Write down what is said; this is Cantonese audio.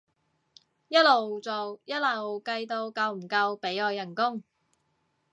一路做一路計到夠唔夠俾我人工